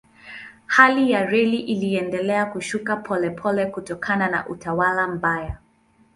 Hali ya reli iliendelea kushuka polepole kutokana na utawala mbaya.